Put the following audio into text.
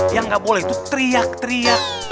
yang gak boleh itu teriak teriak